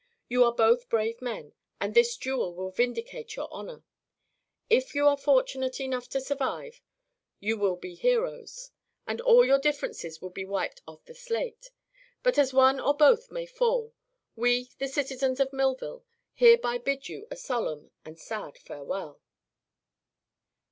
You are both brave men, and this duel will vindicate your honor. If you are fortunate enough to survive, you will be heroes, and all your differences will be wiped off the slate. But as one or both may fall, we, the citizens of Millville, hereby bid you a solemn and sad farewell."